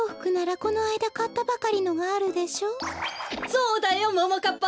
そうだよももかっぱ。